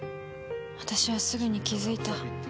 私はすぐに気づいた。